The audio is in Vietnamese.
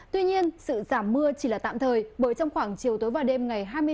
tuy nhiên sự giảm mưa chỉ là tạm thời bởi trong khoảng chiều tối và đêm ngày hai mươi bốn